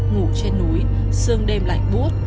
ngủ trên núi sương đêm lạnh bút